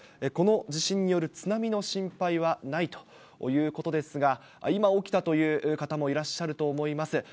この地震による津波の心配はないということですが、今起きたという方もいらっしゃると思います。